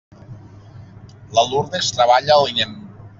La Lurdes treballa a l'INEM.